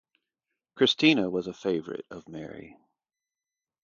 Christina was a favorite of Mary.